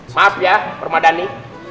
maaf ya permadani